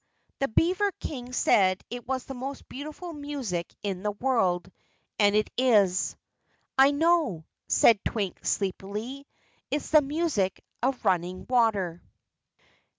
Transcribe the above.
The beaver King said it was the most beautiful music in the world and it is " "I know," said Twink sleepily. "It's the music of running water."